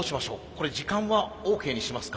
これ時間はオーケーにしますか？